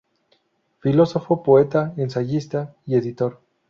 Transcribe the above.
Filósofo, poeta, ensayista y editor.